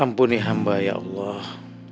ampuni hamba ya allah